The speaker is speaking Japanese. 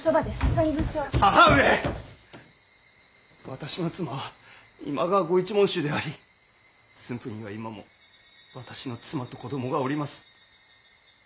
私の妻は今川御一門衆であり駿府には今も私の妻と子供がおります。